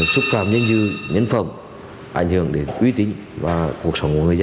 xúc phạm nhân dư nhân phẩm ảnh hưởng đến uy tín và cuộc sống của người dân